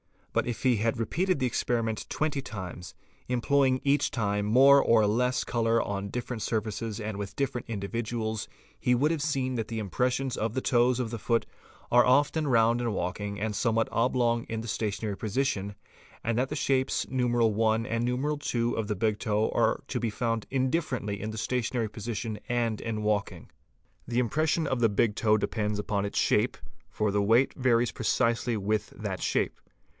But if he had repeated the experiment twenty times, employing each time more or less colour on different surfaces and with different individuals, he would have seen that the impressions of the toes of the foot are often round in walking and 'somewhat oblong in the stationary position, and that the shapes I. and II. of the big toe are to be found indifferently in the stationary position and in walking. The impression of the big toe depends upon its shape, for the weight varies precisely with that shape.